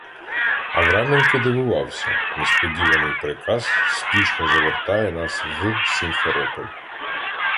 Авраменко дивувався: «Несподіваний приказ спішно завертає нас в Сімферополь.